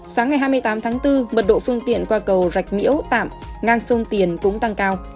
sáng ngày hai mươi tám tháng bốn mật độ phương tiện qua cầu rạch miễu tạm ngăn sông tiền cũng tăng cao